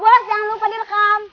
bu bos jangan lupa direkam